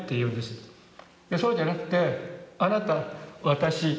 そうじゃなくてあなた私。